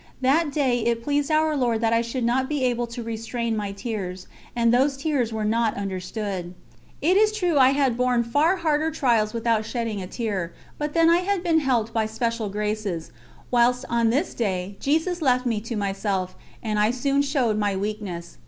That day it pleased Our Lord that I should not be able to restrain my tears, and those tears were not understood. It is true I had borne far harder trials without shedding a tear; but then I had been helped by special graces, whilst on this day Jesus left me to myself, and I soon showed my weakness.